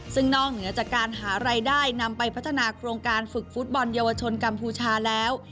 ซึ่งนอกเหนือจากการหารายได้นำไปพัฒนาโครงการฝึกฟุตบอลเยาวชนกัมพูชาแล้ว